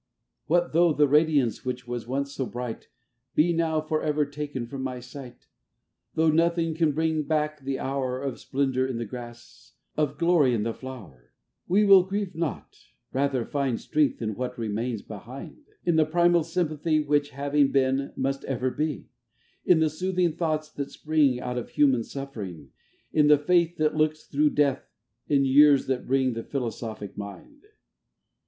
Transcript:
What though the radiance which was once so bright :Be now for ever taken from my sight, Though nothing can bring back the hour Of splendour in the grass, of glory in the flower ; We will grieve not, rather find Strength in what remains behind ; In the primal sympathy Which having been must ever be ; In the soothing thoughts that spring Out of human suffering ; In the faith that looks through death, n years that bring the philosophic mind.